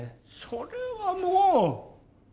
それはもう！